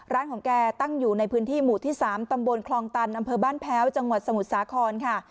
ร้านของแกตั้งอยู่ในพื้นที่หมู่ที่๓ตำบลคลองตันอำเภอบ้านแพ้วจังหวัดสมุทรสาครค่ะ